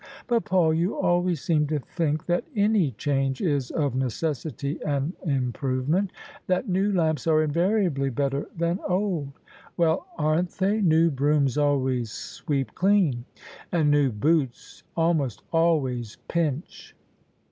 But, Paul, you always seem to think that any change is of necessity an improvement — that new lamps are invariably better than old." "Well, aren't they? New brooms always sweep dean." " And new boots almost always pinch."